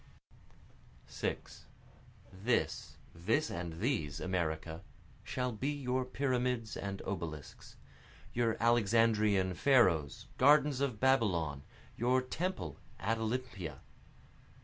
6 (This, this and these, America, shall be your pyramids and obelisks, Your Alexandrian Pharos, gardens of Babylon, Your temple at Olympia.)